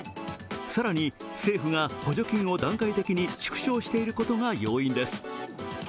更に政府が補助金を段階的に縮小していることが要因です。